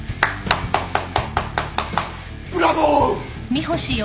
ブラボー！